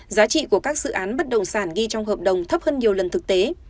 giá trị của các dự án bất động sản ghi trong hợp đồng thấp hơn nhiều lần thực tế